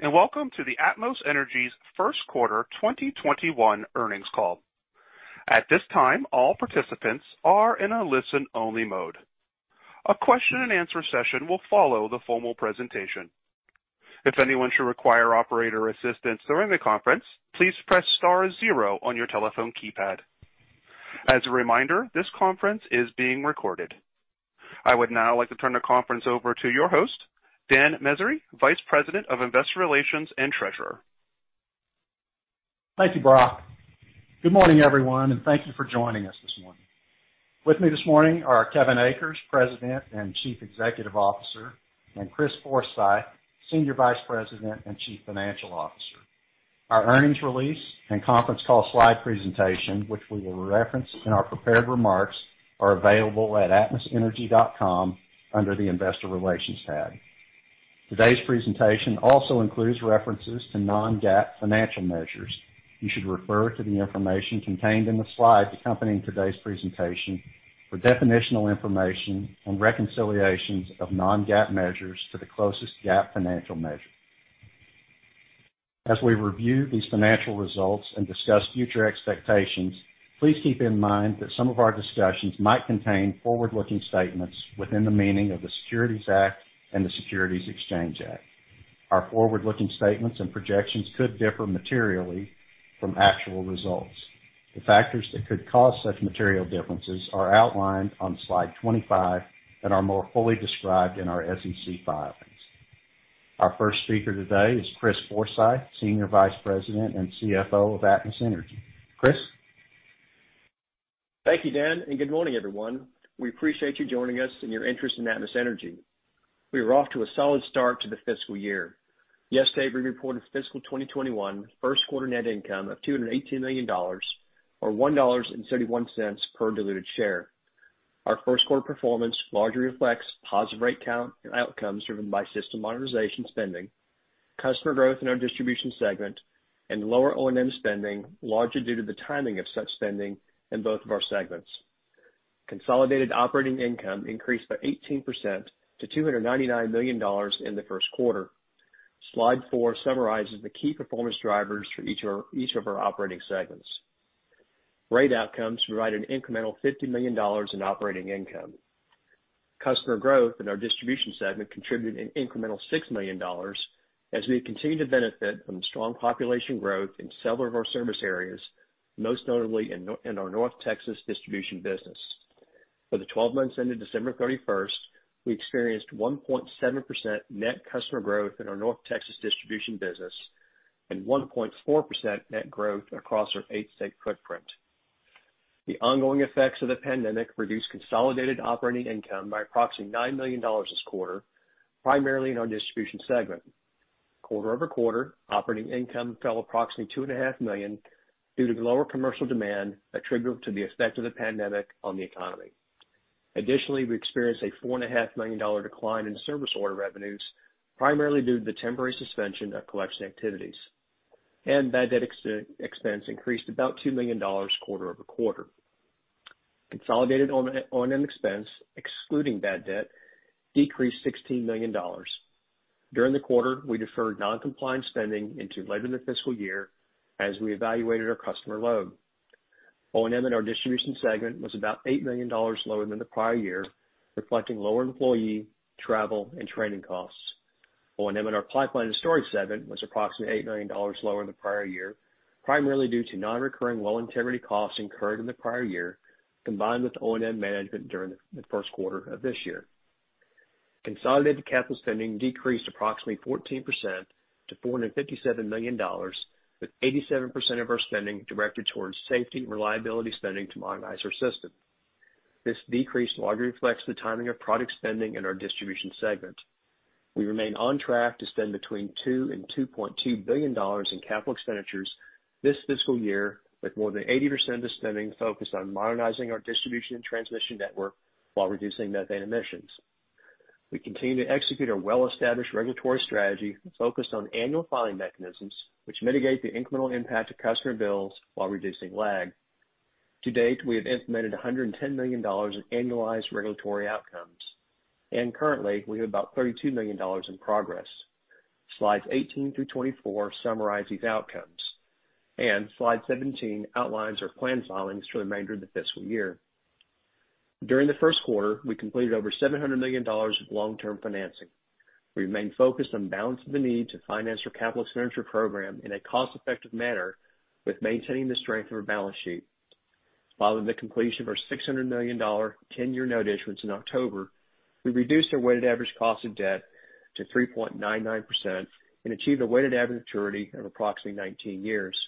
Greetings, and welcome to the Atmos Energy's first quarter 2021 earnings call. At this time, all participants are in a listen-only mode. A question and answer session will follow the formal presentation. If anyone should require operator assistance during the conference, please press star zero on your telephone keypad. As a reminder, this conference is being recorded. I would now like to turn the conference over to your host, Dan Meziere, Vice President of Investor Relations and Treasurer. Thank you, Brock. Good morning, everyone, and thank you for joining us this morning. With me this morning are Kevin Akers, President and Chief Executive Officer, and Chris Forsythe, Senior Vice President and Chief Financial Officer. Our earnings release and conference call slide presentation, which we will reference in our prepared remarks, are available at atmosenergy.com under the Investor Relations tab. Today's presentation also includes references to non-GAAP financial measures. You should refer to the information contained in the slides accompanying today's presentation for definitional information and reconciliations of non-GAAP measures to the closest GAAP financial measure. As we review these financial results and discuss future expectations, please keep in mind that some of our discussions might contain forward-looking statements within the meaning of the Securities Act and the Securities Exchange Act. Our forward-looking statements and projections could differ materially from actual results. The factors that could cause such material differences are outlined on slide 25 and are more fully described in our SEC filings. Our first speaker today is Chris Forsythe, Senior Vice President and CFO of Atmos Energy. Chris? Thank you, Dan, and good morning, everyone. We appreciate you joining us and your interest in Atmos Energy. We are off to a solid start to the fiscal year. Yesterday, we reported fiscal 2021 first quarter net income of $218 million or $1.31 per diluted share. Our first quarter performance largely reflects positive rate count and outcomes driven by system modernization spending, customer growth in our distribution segment, and lower O&M spending, largely due to the timing of such spending in both of our segments. Consolidated operating income increased by 18% to $299 million in the first quarter. Slide four summarizes the key performance drivers for each of our operating segments. Rate outcomes provided an incremental $50 million in operating income. Customer growth in our distribution segment contributed an incremental $6 million, as we continue to benefit from strong population growth in several of our service areas, most notably in our North Texas distribution business. For the 12 months ended December 31st, we experienced 1.7% net customer growth in our North Texas distribution business and 1.4% net growth across our eight-state footprint. The ongoing effects of the pandemic reduced consolidated operating income by approximately $9 million this quarter, primarily in our distribution segment. Quarter-over-quarter, operating income fell approximately $2.5 million due to lower commercial demand attributable to the effect of the pandemic on the economy. Additionally, we experienced a $4.5 million decline in service order revenues, primarily due to the temporary suspension of collection activities, and bad debt expense increased about $2 million quarter-over-quarter. Consolidated O&M, O&M expense, excluding bad debt, decreased $16 million. During the quarter, we deferred non-compliance spending into later in the fiscal year as we evaluated our customer load. O&M in our distribution segment was about $8 million lower than the prior year, reflecting lower employee, travel, and training costs. O&M in our pipeline and storage segment was approximately $8 million lower than the prior year, primarily due to non-recurring well integrity costs incurred in the prior year, combined with O&M management during the first quarter of this year. Consolidated capital spending decreased approximately 14% to $457 million, with 87% of our spending directed towards safety and reliability spending to modernize our system. This decrease largely reflects the timing of project spending in our distribution segment. We remain on track to spend between $2 billion and $2.2 billion in capital expenditures this fiscal year, with more than 80% of the spending focused on modernizing our distribution and transmission network while reducing methane emissions. We continue to execute our well-established regulatory strategy focused on annual filing mechanisms, which mitigate the incremental impact of customer bills while reducing lag. To date, we have implemented $110 million in annualized regulatory outcomes, and currently, we have about $32 million in progress. Slides 18 through 24 summarize these outcomes, and slide 17 outlines our planned filings for the remainder of the fiscal year. During the first quarter, we completed over $700 million of long-term financing. We remain focused on balancing the need to finance our capital expenditure program in a cost-effective manner with maintaining the strength of our balance sheet. Following the completion of our $600 million 10-year note issuance in October, we reduced our weighted average cost of debt to 3.99% and achieved a weighted average maturity of approximately 19 years.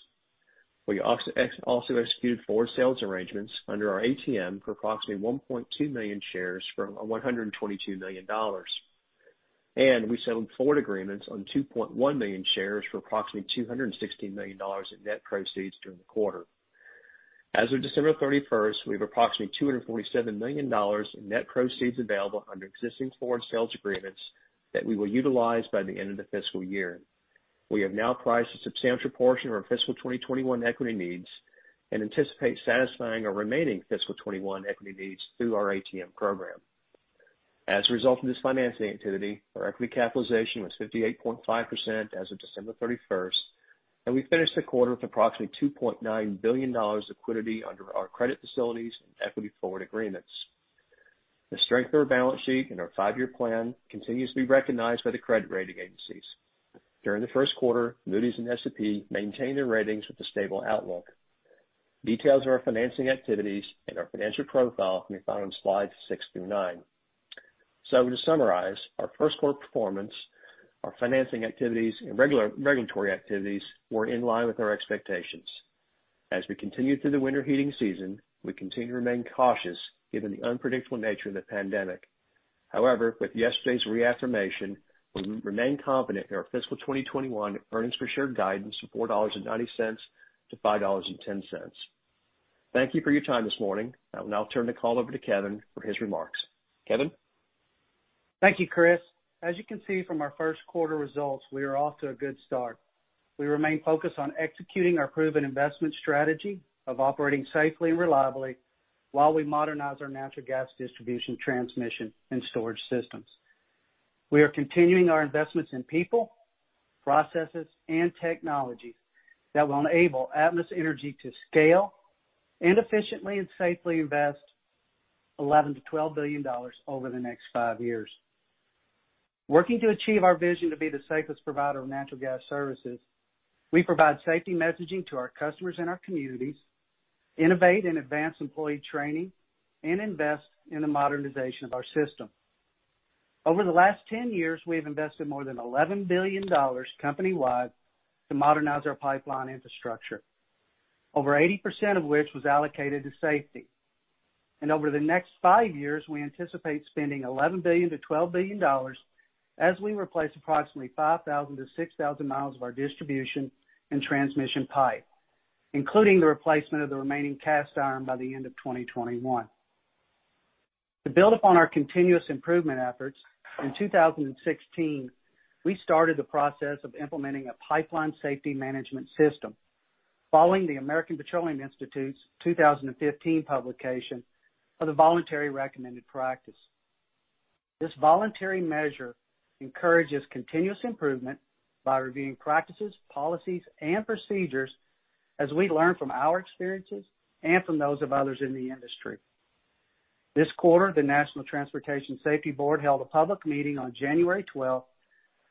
We also executed four sales arrangements under our ATM for approximately 1.2 million shares from $122 million, and we settled forward agreements on 2.1 million shares for approximately $216 million in net proceeds during the quarter. As of December 31, we have approximately $247 million in net proceeds available under existing forward sales agreements that we will utilize by the end of the fiscal year. We have now priced a substantial portion of our fiscal 2021 equity needs and anticipate satisfying our remaining fiscal 2021 equity needs through our ATM program. As a result of this financing activity, our equity capitalization was 58.5% as of December 31, and we finished the quarter with approximately $2.9 billion liquidity under our credit facilities and equity forward agreements. The strength of our balance sheet and our five-year plan continues to be recognized by the credit rating agencies. During the first quarter, Moody's and S&P maintained their ratings with a stable outlook. Details of our financing activities and our financial profile can be found on slides six through nine. So to summarize, our first quarter performance, our financing activities, and regulatory activities were in line with our expectations. As we continue through the winter heating season, we continue to remain cautious given the unpredictable nature of the pandemic. However, with yesterday's reaffirmation, we remain confident in our fiscal 2021 earnings per share guidance of $4.90-$5.10. Thank you for your time this morning. I will now turn the call over to Kevin for his remarks. Kevin? Thank you, Chris. As you can see from our first quarter results, we are off to a good start. We remain focused on executing our proven investment strategy of operating safely and reliably while we modernize our natural gas distribution, transmission, and storage systems. We are continuing our investments in people, processes, and technologies that will enable Atmos Energy to scale and efficiently and safely invest $11 billion-$12 billion over the next five years. Working to achieve our vision to be the safest provider of natural gas services, we provide safety messaging to our customers and our communities, innovate and advance employee training, and invest in the modernization of our system. Over the last 10 years, we have invested more than $11 billion company-wide to modernize our pipeline infrastructure, over 80% of which was allocated to safety. Over the next five years, we anticipate spending $11 billion-$12 billion as we replace approximately 5,000-6,000 miles of our distribution and transmission pipe, including the replacement of the remaining cast iron by the end of 2021. To build upon our continuous improvement efforts, in 2016, we started the process of implementing a Pipeline Safety Management System, following the American Petroleum Institute's 2015 publication of the voluntary recommended practice. This voluntary measure encourages continuous improvement by reviewing practices, policies, and procedures as we learn from our experiences and from those of others in the industry. This quarter, the National Transportation Safety Board held a public meeting on January 12th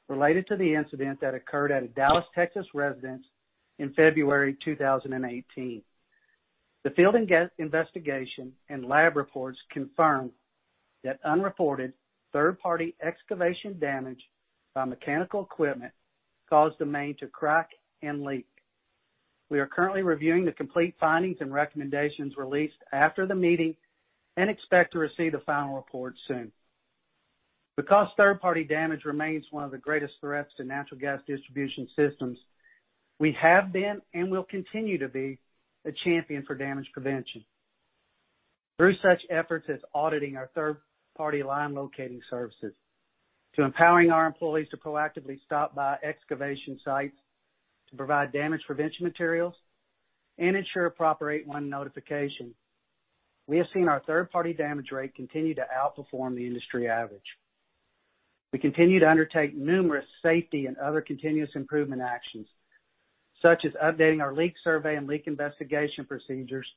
related to the incident that occurred at a Dallas, Texas, residence in February 2018. The field and gas investigation and lab reports confirmed that unreported third-party excavation damage by mechanical equipment caused the main to crack and leak. We are currently reviewing the complete findings and recommendations released after the meeting and expect to receive the final report soon. Because third-party damage remains one of the greatest threats to natural gas distribution systems, we have been and will continue to be a champion for damage prevention. Through such efforts as auditing our third-party line locating services, to empowering our employees to proactively stop by excavation sites, to provide damage prevention materials and ensure proper 911 notification, we have seen our third-party damage rate continue to outperform the industry average. We continue to undertake numerous safety and other continuous improvement actions, such as updating our leak survey and leak investigation procedures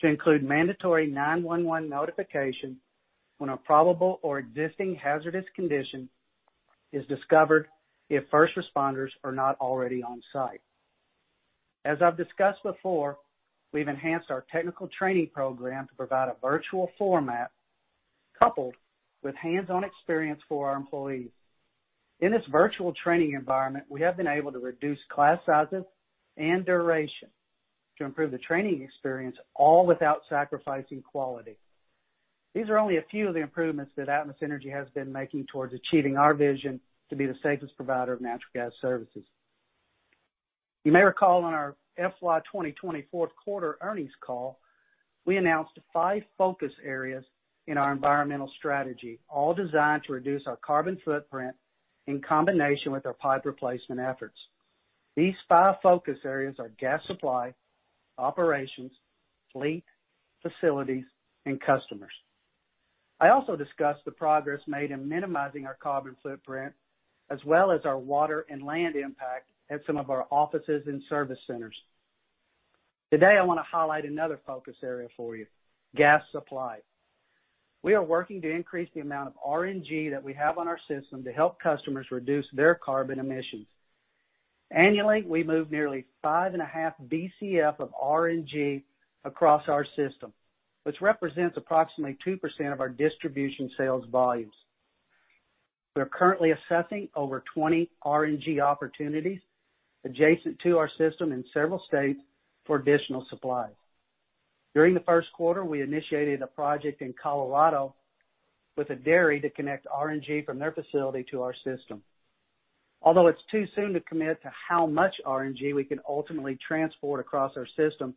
to include mandatory 911 notification when a probable or existing hazardous condition is discovered if first responders are not already on site. As I've discussed before, we've enhanced our technical training program to provide a virtual format coupled with hands-on experience for our employees. In this virtual training environment, we have been able to reduce class sizes and duration to improve the training experience, all without sacrificing quality. These are only a few of the improvements that Atmos Energy has been making towards achieving our vision to be the safest provider of natural gas services. You may recall on our FY 2024 fourth quarter earnings call, we announced five focus areas in our environmental strategy, all designed to reduce our carbon footprint in combination with our pipe replacement efforts. These five focus areas are gas supply, operations, fleet, facilities, and customers. I also discussed the progress made in minimizing our carbon footprint, as well as our water and land impact at some of our offices and service centers. Today, I want to highlight another focus area for you: gas supply. We are working to increase the amount of RNG that we have on our system to help customers reduce their carbon emissions. Annually, we move nearly 5.5 BCF of RNG across our system, which represents approximately 2% of our distribution sales volumes. We are currently assessing over 20 RNG opportunities adjacent to our system in several states for additional supply. During the first quarter, we initiated a project in Colorado with a dairy to connect RNG from their facility to our system. Although it's too soon to commit to how much RNG we can ultimately transport across our system...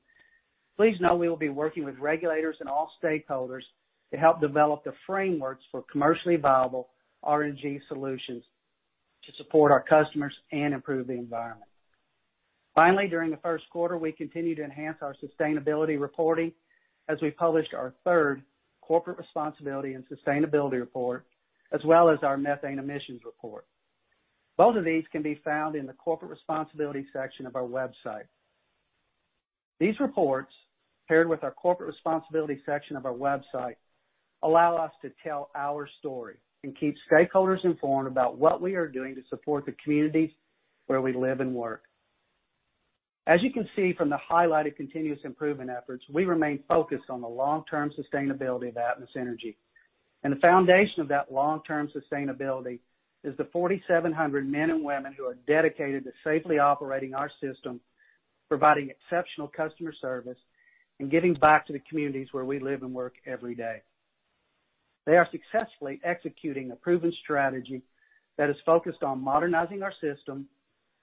Please know we will be working with regulators and all stakeholders to help develop the frameworks for commercially viable RNG solutions to support our customers and improve the environment. Finally, during the first quarter, we continued to enhance our sustainability reporting as we published our third corporate responsibility and sustainability report, as well as our methane emissions report. Both of these can be found in the corporate responsibility section of our website. These reports, paired with our corporate responsibility section of our website, allow us to tell our story and keep stakeholders informed about what we are doing to support the communities where we live and work. As you can see from the highlighted continuous improvement efforts, we remain focused on the long-term sustainability of Atmos Energy, and the foundation of that long-term sustainability is the 4,700 men and women who are dedicated to safely operating our system, providing exceptional customer service, and giving back to the communities where we live and work every day. They are successfully executing a proven strategy that is focused on modernizing our system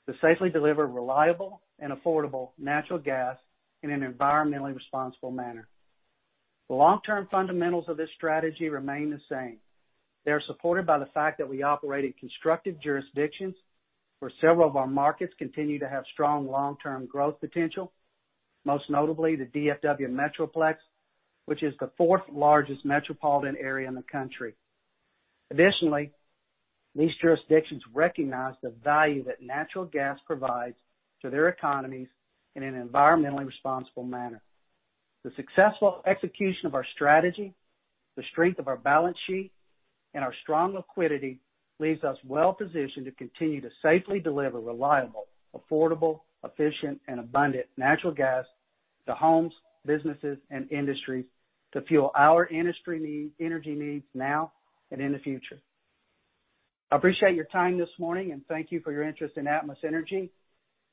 to safely deliver reliable and affordable natural gas in an environmentally responsible manner. The long-term fundamentals of this strategy remain the same. They are supported by the fact that we operate in constructive jurisdictions, where several of our markets continue to have strong long-term growth potential, most notably the DFW Metroplex, which is the 4th largest metropolitan area in the country. Additionally, these jurisdictions recognize the value that natural gas provides to their economies in an environmentally responsible manner. The successful execution of our strategy, the strength of our balance sheet, and our strong liquidity leaves us well positioned to continue to safely deliver reliable, affordable, efficient, and abundant natural gas to homes, businesses, and industries to fuel our energy needs now and in the future. I appreciate your time this morning, and thank you for your interest in Atmos Energy,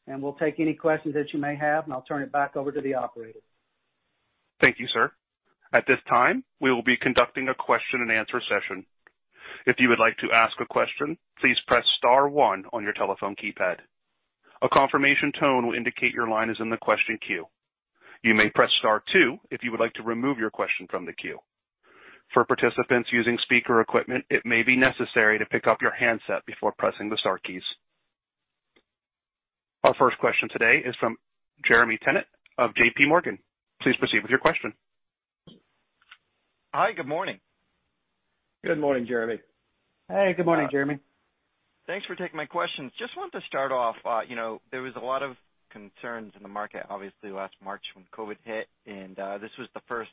and we'll take any questions that you may have, and I'll turn it back over to the operator. Thank you, sir. At this time, we will be conducting a question-and-answer session. If you would like to ask a question, please press star one on your telephone keypad. A confirmation tone will indicate your line is in the question queue. You may press star two if you would like to remove your question from the queue. For participants using speaker equipment, it may be necessary to pick up your handset before pressing the star keys. Our first question today is from Jeremy Tonet of JPMorgan. Please proceed with your question. Hi, good morning. Good morning, Jeremy. Hey, good morning, Jeremy. Thanks for taking my questions. Just want to start off, you know, there was a lot of concerns in the market, obviously, last March when COVID hit, and this was the first,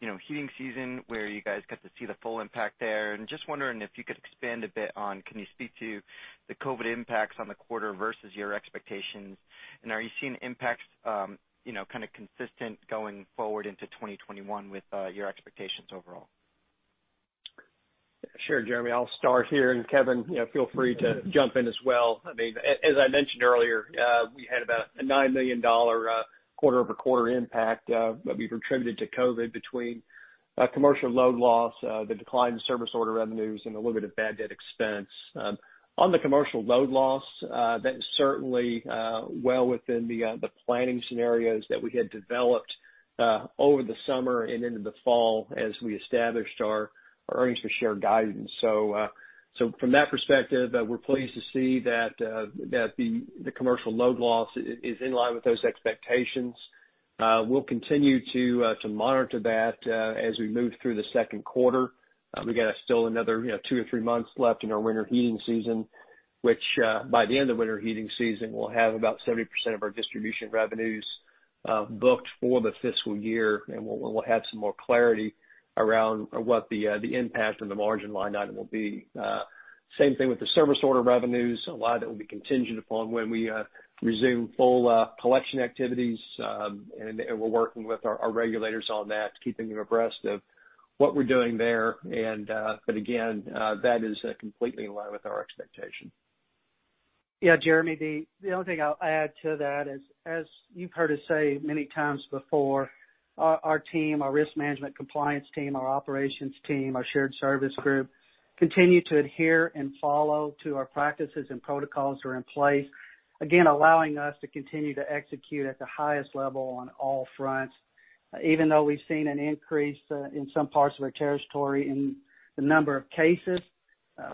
you know, heating season where you guys got to see the full impact there. And just wondering if you could expand a bit on, can you speak to the COVID impacts on the quarter versus your expectations? And are you seeing impacts, you know, kind of consistent going forward into 2021 with your expectations overall? Sure, Jeremy, I'll start here, and Kevin, you know, feel free to jump in as well. I mean, as I mentioned earlier, we had about a $9 million quarter-over-quarter impact that we've attributed to COVID between commercial load loss, the decline in service order revenues, and a little bit of bad debt expense. On the commercial load loss, that is certainly well within the planning scenarios that we had developed over the summer and into the fall as we established our earnings per share guidance. So from that perspective, we're pleased to see that the commercial load loss is in line with those expectations. We'll continue to monitor that as we move through the second quarter. We got still another, you know, two or three months left in our winter heating season, which, by the end of winter heating season, we'll have about 70% of our distribution revenues booked for the fiscal year, and we'll have some more clarity around what the, the impact on the margin line item will be. Same thing with the service order revenues. A lot of that will be contingent upon when we resume full collection activities, and we're working with our regulators on that, keeping them abreast of what we're doing there. But again, that is completely in line with our expectation. Yeah, Jeremy, the only thing I'll add to that is, as you've heard us say many times before, our team, our risk management compliance team, our operations team, our shared service group, continue to adhere and follow to our practices and protocols that are in place, again, allowing us to continue to execute at the highest level on all fronts. Even though we've seen an increase in some parts of our territory in the number of cases,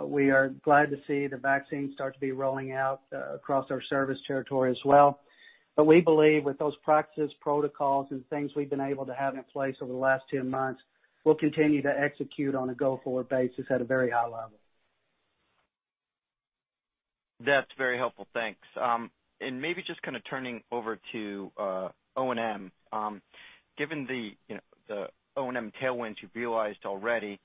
we are glad to see the vaccine start to be rolling out across our service territory as well. But we believe with those practices, protocols, and things we've been able to have in place over the last two months, we'll continue to execute on a go-forward basis at a very high level. That's very helpful. Thanks. Maybe just kind of turning over to O&M. Given the, you know, the O&M tailwinds you've realized already,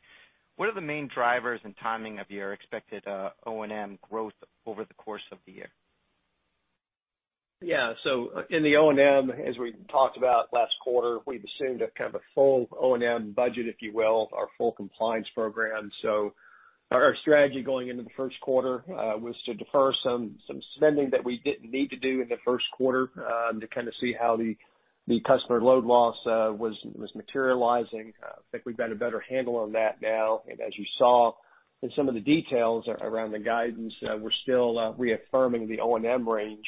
what are the main drivers and timing of your expected O&M growth over the course of the year? Yeah. So in the O&M, as we talked about last quarter, we've assumed a kind of a full O&M budget, if you will, of our full compliance program. So our strategy going into the first quarter was to defer some spending that we didn't need to do in the first quarter, to kind of see how the customer load loss was materializing. I think we've got a better handle on that now, and as you saw and some of the details around the guidance, we're still reaffirming the O&M range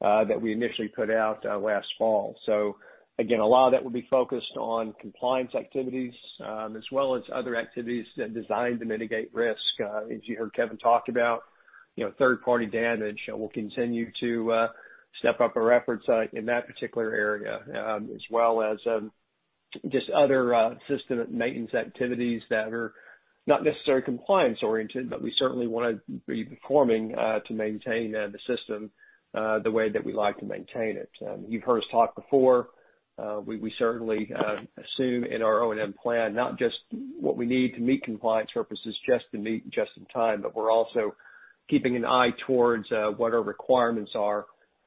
that we initially put out last fall. So again, a lot of that will be focused on compliance activities, as well as other activities that are designed to mitigate risk. As you heard Kevin talk about, you know, third-party damage, we'll continue to step up our efforts in that particular area, as well as just other system and maintenance activities that are not necessarily compliance-oriented, but we certainly want to be performing to maintain the system the way that we like to maintain it. You've heard us talk before, we certainly assume in our O&M plan, not just what we need to meet compliance purposes, just to meet just in time, but we're also keeping an eye towards what our requirements are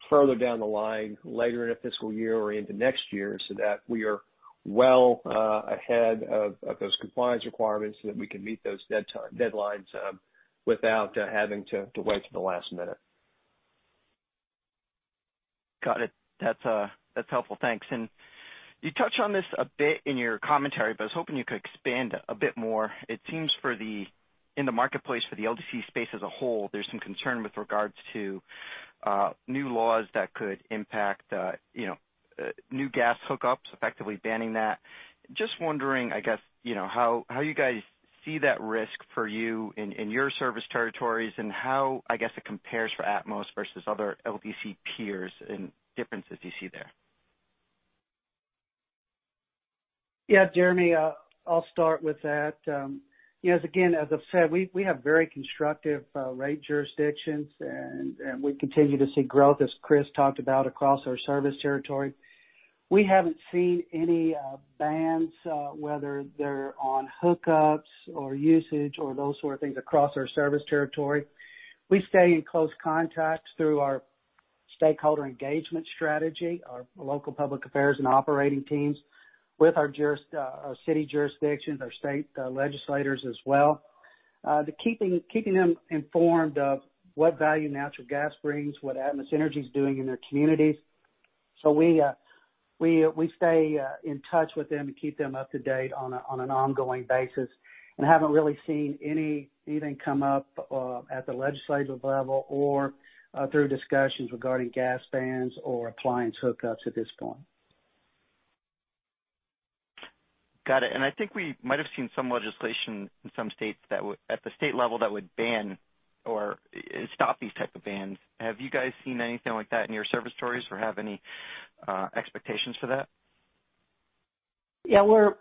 further down the line, later in the fiscal year or into next year, so that we are well ahead of those compliance requirements, so that we can meet those deadlines without having to wait till the last minute. Got it. That's helpful. Thanks. And you touched on this a bit in your commentary, but I was hoping you could expand a bit more. It seems for the, in the marketplace, for the LDC space as a whole, there's some concern with regards to new laws that could impact you know new gas hookups, effectively banning that. Just wondering, I guess, you know, how you guys see that risk for you in your service territories and how, I guess, it compares for Atmos versus other LDC peers and differences you see there? Yeah, Jeremy, I'll start with that. Yes, again, as I've said, we have very constructive rate jurisdictions, and we continue to see growth, as Chris talked about, across our service territory. We haven't seen any bans, whether they're on hookups or usage or those sort of things across our service territory. We stay in close contact through our stakeholder engagement strategy, our local public affairs and operating teams, with our city jurisdictions, our state legislators as well. Keeping them informed of what value natural gas brings, what Atmos Energy is doing in their communities. So we stay in touch with them to keep them up to date on an ongoing basis, and haven't really seen any even come up at the legislative level or through discussions regarding gas bans or appliance hookups at this point. Got it. I think we might have seen some legislation in some states that would-- at the state level, that would ban or stop these type of bans. Have you guys seen anything like that in your service territories or have any expectations for that? Yeah, we're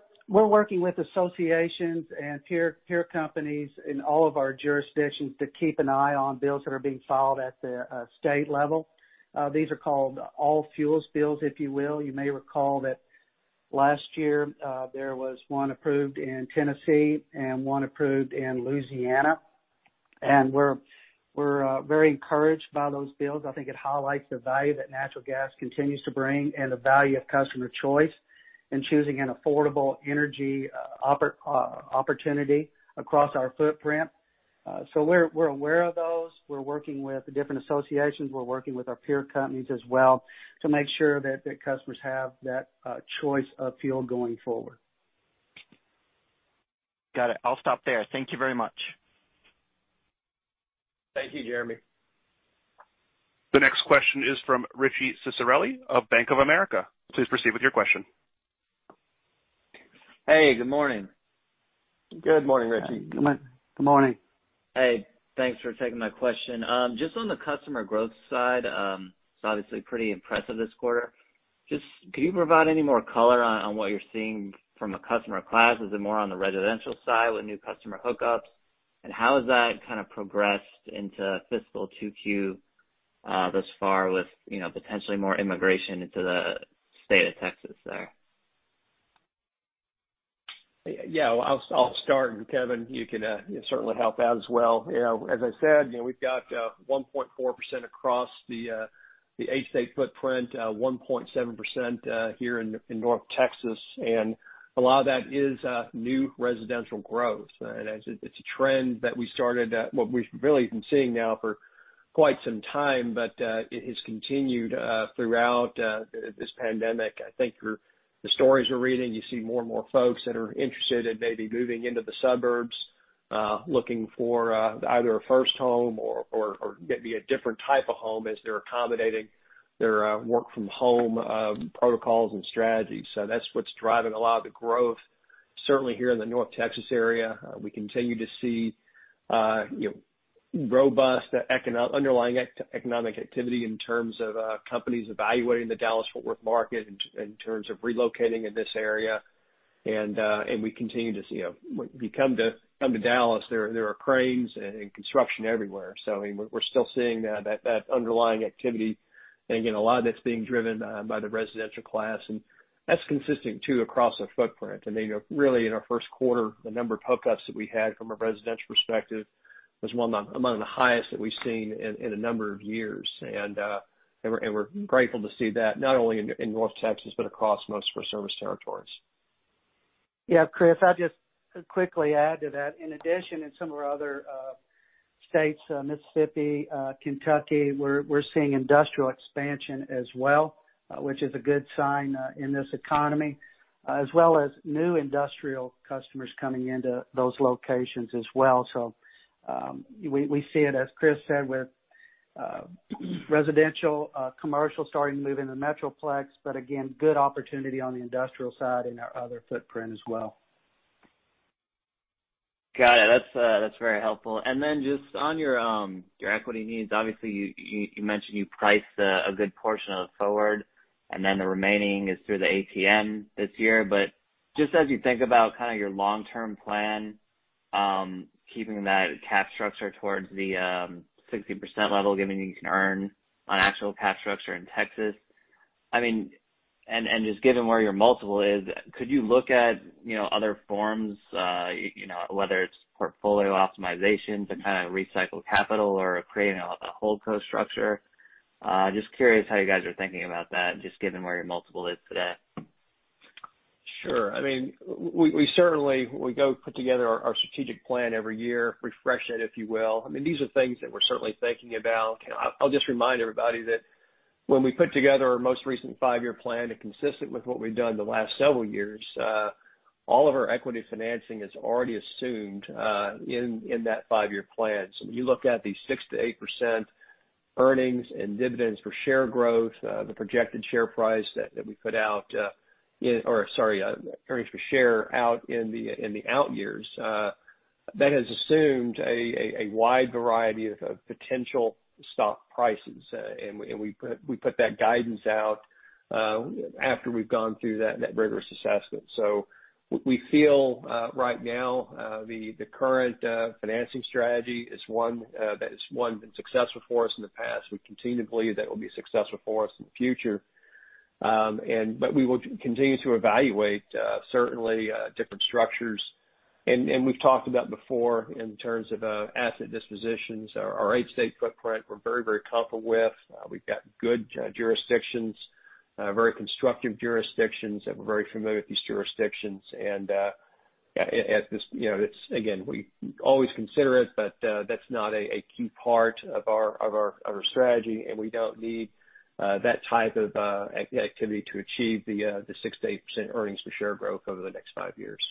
working with associations and peer companies in all of our jurisdictions to keep an eye on bills that are being filed at the state level. These are called all-fuels bills, if you will. You may recall that last year there was one approved in Tennessee and one approved in Louisiana. And we're very encouraged by those bills. I think it highlights the value that natural gas continues to bring and the value of customer choice in choosing an affordable energy opportunity across our footprint. So we're aware of those. We're working with the different associations, we're working with our peer companies as well, to make sure that the customers have that choice of fuel going forward. Got it. I'll stop there. Thank you very much. Thank you, Jeremy. The next question is from Richard Ciciarelli of Bank of America. Please proceed with your question. Hey, good morning. Good morning, Richie. Good morning. Good morning. Hey, thanks for taking my question. Just on the customer growth side, it's obviously pretty impressive this quarter. Just, could you provide any more color on, on what you're seeing from a customer class? Is it more on the residential side with new customer hookups? And how has that kind of progressed into fiscal 2Q, thus far with, you know, potentially more immigration into the state of Texas there? Yeah, I'll start, and Kevin, you can certainly help out as well. You know, as I said, you know, we've got 1.4% across the eight-state footprint, 1.7% here in North Texas, and a lot of that is new residential growth. And as it's a trend that we started, what we've really been seeing now for quite some time, but it has continued throughout this pandemic. I think the stories we're reading, you see more and more folks that are interested in maybe moving into the suburbs, looking for either a first home or maybe a different type of home as they're accommodating their work from home protocols and strategies. So that's what's driving a lot of the growth. Certainly here in the North Texas area, we continue to see, you know, robust underlying economic activity in terms of companies evaluating the Dallas-Fort Worth market in terms of relocating in this area. And we continue to see, you know, if you come to Dallas, there are cranes and construction everywhere. So, I mean, we're still seeing that underlying activity. And, you know, a lot of that's being driven by the residential class, and that's consistent too, across our footprint. And, you know, really, in our first quarter, the number of hookups that we had from a residential perspective was among the highest that we've seen in a number of years. And we're grateful to see that, not only in North Texas, but across most of our service territories. Yeah, Chris, I'll just quickly add to that. In addition, in some of our other states, Mississippi, Kentucky, we're seeing industrial expansion as well, which is a good sign in this economy, as well as new industrial customers coming into those locations as well. So, we see it, as Chris said, with residential, commercial starting to move into the metroplex, but again, good opportunity on the industrial side and our other footprint as well. Got it. That's very helpful. And then just on your equity needs, obviously, you mentioned you priced a good portion of it forward, and then the remaining is through the ATM this year. But just as you think about kind of your long-term plan, keeping that cap structure towards the 60% level, given you can earn on actual cap structure in Texas, I mean, and just given where your multiple is, could you look at, you know, other forms, you know, whether it's portfolio optimization to kind of recycle capital or creating a HoldCo structure? Just curious how you guys are thinking about that, just given where your multiple is today. Sure. I mean, we certainly put together our strategic plan every year, refresh it, if you will. I mean, these are things that we're certainly thinking about. You know, I'll just remind everybody that when we put together our most recent five-year plan and consistent with what we've done the last several years, all of our equity financing is already assumed in that five-year plan. So when you look at the 6%-8% earnings and dividends per share growth, the projected earnings per share out in the out years, that has assumed a wide variety of potential stock prices. And we put that guidance out after we've gone through that rigorous assessment. So we feel right now the current financing strategy is one that's successful for us in the past. We continue to believe that will be successful for us in the future. But we will continue to evaluate certainly different structures. And we've talked about before, in terms of asset dispositions, our eight-state footprint, we're very, very comfortable with. We've got good jurisdictions, very constructive jurisdictions, and we're very familiar with these jurisdictions. And at this, you know, it's, again, we always consider it, but that's not a key part of our strategy, and we don't need that type of activity to achieve the 6%-8% earnings per share growth over the next five years.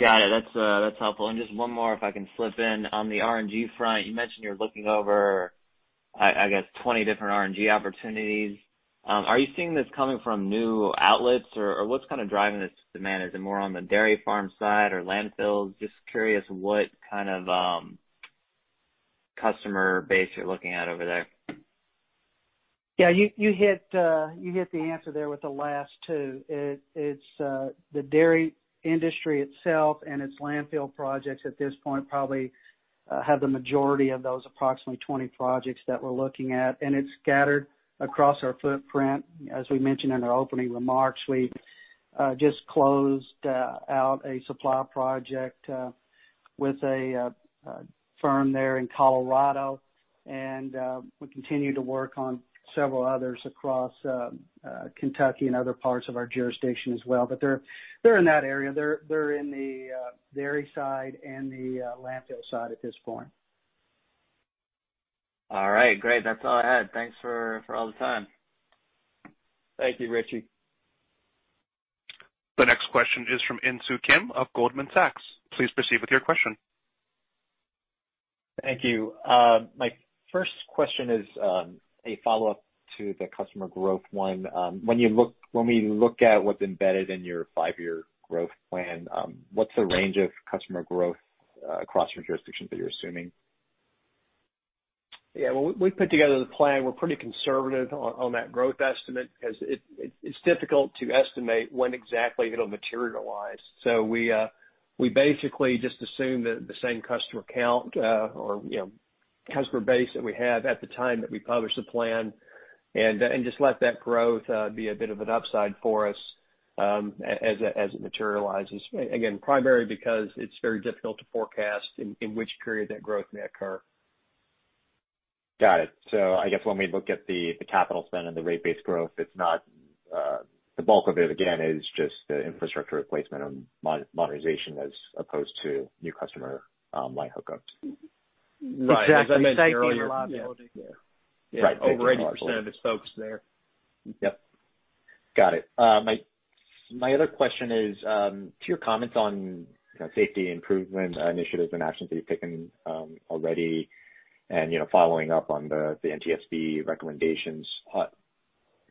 Got it. That's that's helpful. And just one more, if I can slip in. On the RNG front, you mentioned you're looking over, I, I guess, 20 different RNG opportunities. Are you seeing this coming from new outlets or, or what's kind of driving this demand? Is it more on the dairy farm side or landfills? Just curious what kind of customer base you're looking at over there. Yeah, you hit the answer there with the last two. It's the dairy industry itself and its landfill projects at this point, probably, have the majority of those approximately 20 projects that we're looking at, and it's scattered across our footprint. As we mentioned in our opening remarks, we just closed out a supply project with a firm there in Colorado, and we continue to work on several others across Kentucky and other parts of our jurisdiction as well. But they're in that area. They're in the dairy side and the landfill side at this point. All right, great. That's all I had. Thanks for all the time. Thank you, Richie. The next question is from Insoo Kim of Goldman Sachs. Please proceed with your question. Thank you. My first question is a follow-up to the customer growth one. When we look at what's embedded in your five-year growth plan, what's the range of customer growth across your jurisdictions that you're assuming? Yeah, when we put together the plan, we're pretty conservative on that growth estimate because it's difficult to estimate when exactly it'll materialize. So we basically just assume that the same customer count, or, you know, customer base that we have at the time that we publish the plan, and just let that growth be a bit of an upside for us, as it materializes. Again, primarily because it's very difficult to forecast in which period that growth may occur. Got it. So I guess when we look at the capital spend and the rate base growth, it's not the bulk of it; again, it is just the infrastructure replacement and modernization as opposed to new customer line hookups. Right. Exactly. As I mentioned earlier- Yeah. Yeah. Right. Over 80% of the spokes there. Yep. Got it. My other question is to your comments on, you know, safety improvement initiatives and actions that you've taken already and, you know, following up on the NTSB recommendations.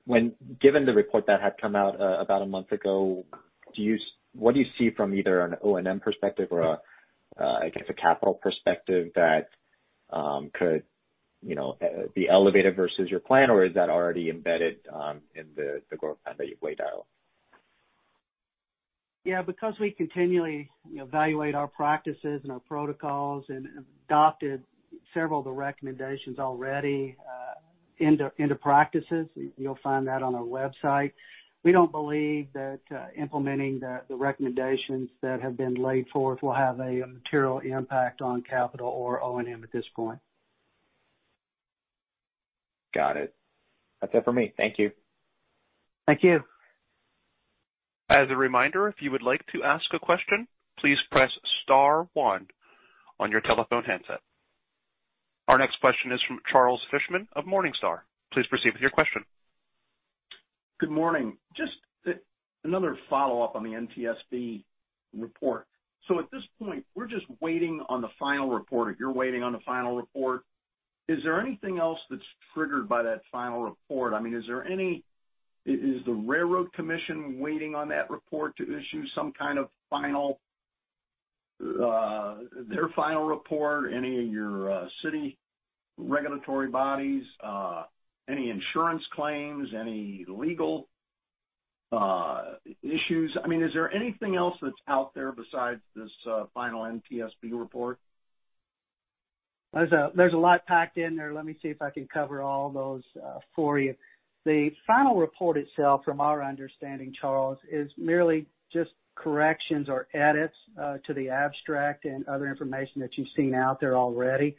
Given the report that had come out about a month ago, do you see what you see from either an O&M perspective or a, I guess, a capital perspective that could, you know, be elevated versus your plan, or is that already embedded in the growth plan that you've laid out? Yeah, because we continually, you know, evaluate our practices and our protocols and adopted several of the recommendations already into practices, you'll find that on our website. We don't believe that implementing the recommendations that have been laid forth will have a material impact on capital or O&M at this point. Got it. That's it for me. Thank you. Thank you. As a reminder, if you would like to ask a question, please press star one on your telephone handset. Our next question is from Charles Fishman of Morningstar. Please proceed with your question. Good morning. Just another follow-up on the NTSB report. So at this point, we're just waiting on the final report, or you're waiting on the final report. Is there anything else that's triggered by that final report? I mean, is there any— is the Railroad Commission waiting on that report to issue some kind of final, their final report, any of your city regulatory bodies, any insurance claims, any legal issues? I mean, is there anything else that's out there besides this final NTSB report? There's a lot packed in there. Let me see if I can cover all those for you. The final report itself, from our understanding, Charles, is merely just corrections or edits to the abstract and other information that you've seen out there already.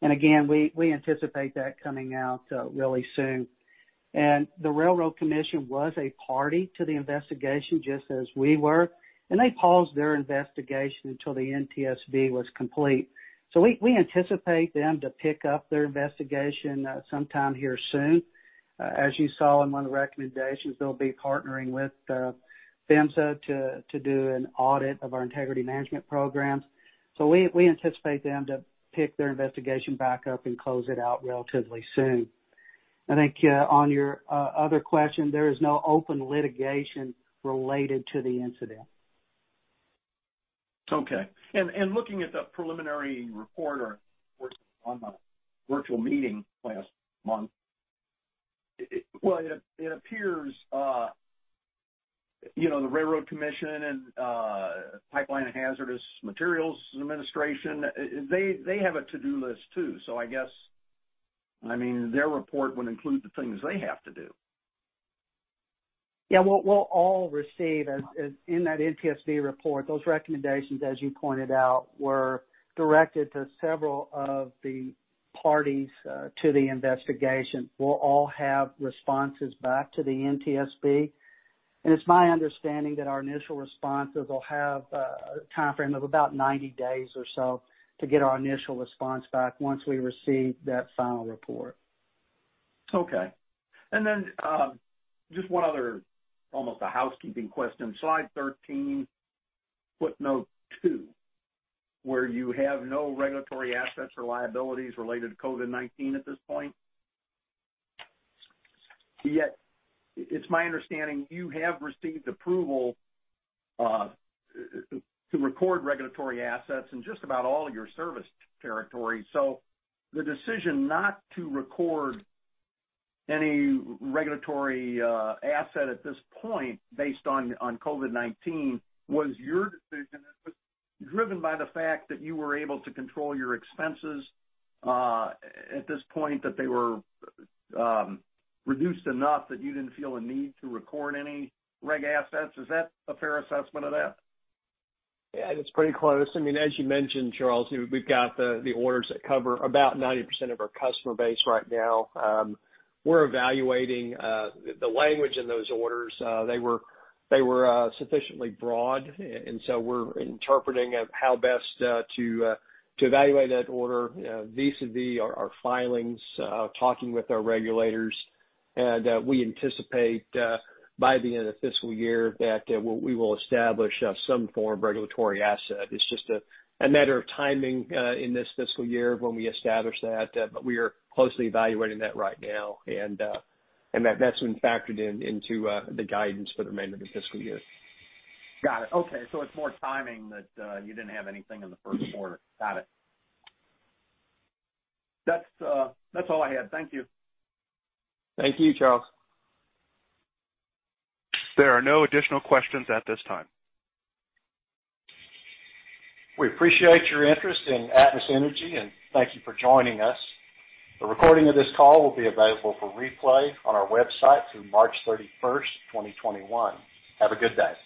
And again, we anticipate that coming out really soon. And the Railroad Commission was a party to the investigation, just as we were, and they paused their investigation until the NTSB was complete. So we anticipate them to pick up their investigation sometime here soon. As you saw in one of the recommendations, they'll be partnering with PHMSA to do an audit of our integrity management programs. So we anticipate them to pick their investigation back up and close it out relatively soon. I think, on your other question, there is no open litigation related to the incident. Okay. And looking at the preliminary report or on the virtual meeting last month, well, it appears, you know, the Railroad Commission and Pipeline and Hazardous Materials Safety Administration, they have a to-do list, too. So I guess... I mean, their report would include the things they have to do. Yeah. We'll all receive as in that NTSB report, those recommendations, as you pointed out, were directed to several of the parties to the investigation. We'll all have responses back to the NTSB, and it's my understanding that our initial responses will have a timeframe of about 90 days or so to get our initial response back once we receive that final report. Okay. And then, just one other, almost a housekeeping question. Slide 13, footnote two, where you have no regulatory assets or liabilities related to COVID-19 at this point. Yet, it's my understanding you have received approval to record regulatory assets in just about all your service territory. So the decision not to record any regulatory asset at this point, based on COVID-19, was your decision. It was driven by the fact that you were able to control your expenses at this point, that they were reduced enough that you didn't feel a need to record any reg assets. Is that a fair assessment of that? Yeah, it's pretty close. I mean, as you mentioned, Charles, we've got the orders that cover about 90% of our customer base right now. We're evaluating the language in those orders. They were sufficiently broad, and so we're interpreting how best to evaluate that order vis-a-vis our filings, talking with our regulators. And we anticipate by the end of the fiscal year that we will establish some form of regulatory asset. It's just a matter of timing in this fiscal year when we establish that. But we are closely evaluating that right now, and that's been factored into the guidance for the remainder of the fiscal year. Got it. Okay. So it's more timing that, you didn't have anything in the first quarter. Got it. That's, that's all I had. Thank you. Thank you, Charles. There are no additional questions at this time. We appreciate your interest in Atmos Energy, and thank you for joining us. A recording of this call will be available for replay on our website through March 31, 2021. Have a good day.